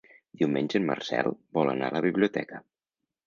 Diumenge en Marcel vol anar a la biblioteca.